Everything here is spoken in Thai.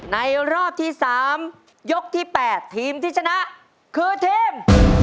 รอบที่๓ยกที่๘ทีมที่ชนะคือทีม